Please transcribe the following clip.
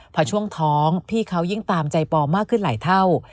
พอช่วงท้องพี่เขายิ่งตามใจปอมากขึ้นหลายเท่า